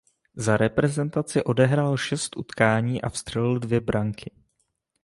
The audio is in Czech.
Za reprezentaci odehrál šest utkání a vstřelil dvě branky.